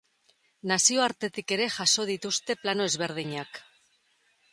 Nazioartetik ere jaso dituzte plano ezberdinak.